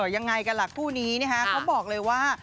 ยังไงกันล่ะคู่นี้นะคะเขาบอกเลยว่า